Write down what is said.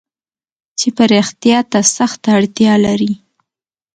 چې پراختيا ته سخته اړتيا لري.